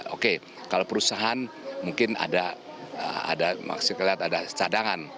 oke kalau perusahaan mungkin ada sekret ada cadangan